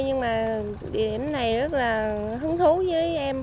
nhưng mà địa điểm này rất là hứng thú